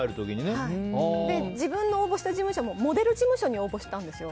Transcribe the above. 自分の応募した事務所もモデル事務所に応募したんですよ。